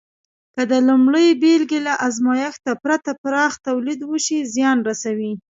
که د لومړۍ بېلګې له ازمېښت پرته پراخ تولید وشي، زیان رسوي.